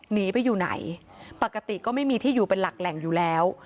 หนีไปอยู่ไหนปกติก็ไม่มีที่อยู่เป็นหลักแหล่งอยู่แล้ว